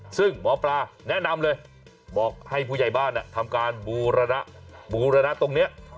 ซึ่งหมอปลาแนะนำเลยบอกให้ผู้ใหญ่บ้านทำการบูรณะตรงนี้